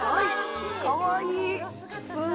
かわいい。